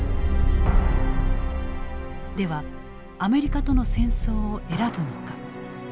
ではアメリカとの戦争を選ぶのか。